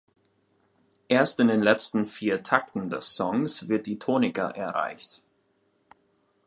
Erst in den letzten vier Takten des Songs wird die Tonika erreicht.